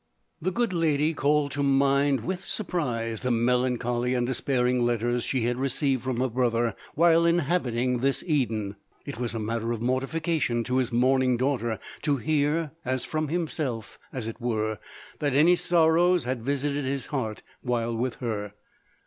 The good lady called to mind, with surprise, the melancholy and despairing letters she had re ceived from her brother, while inhabiting thi> Eden. It was matter of mortification to his mourning daughter to hear, as from himself, as it were, that any sorrows had visited his heart while with her.